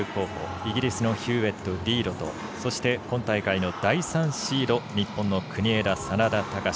イギリスのヒューウェット、リードとそして、今大会の第３シード日本の国枝、眞田卓。